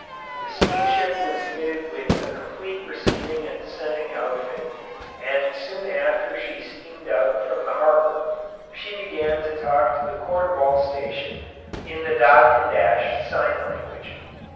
The steamship was fitted with a complete receiving and sending outfit, and soon after she steamed out from the harbor she began to talk to the Cornwall station in the dot and dash sign language.